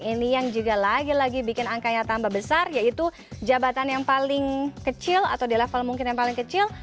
ini yang juga lagi lagi bikin angkanya tambah besar yaitu jabatan yang paling kecil atau di level mungkin yang paling kecil